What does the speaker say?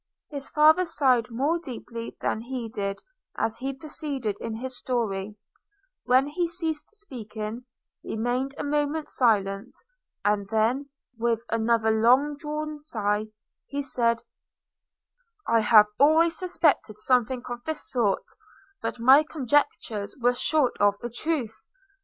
His father sighed more deeply than he did as he proceeded in his story; when he ceased speaking, remained a moment silent; and then, with another long drawn sigh, he said, 'I have always suspected something of this sort; but my conjectures were short of the truth.